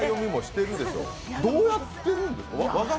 どうやってるんですか？